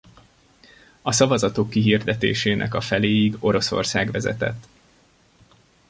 A szavaztok kihirdetésének a feléig Oroszország vezetett.